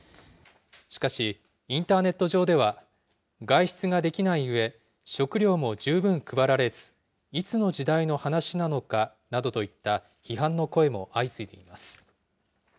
しかし、インターネット上では外出ができないうえ、食料も十分配られず、いつの時代の話なのかなどといった批判の声も相次いでいます。